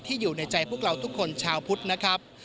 อยู่ในใจพวกเราทุกคนชาวพุทธนะครับ